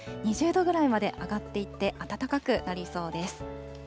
２０度ぐらいまで上がっていって、暖かくなりそうです。